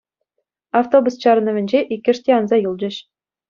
Автобус чарӑнӑвӗнче иккӗш те анса юлчӗҫ.